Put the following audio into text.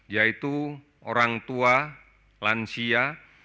yaitu orang tua lansia